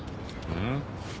うん？